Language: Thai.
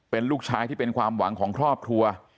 เป็นลูกชายที่เป็นความหวังของครอบครัว